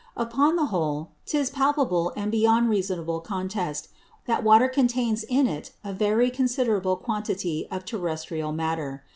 Upon the whole, 'tis palpable and beyond reasonable Contest, that Water contains in it a very considerable Quantity of terrestrial Matter.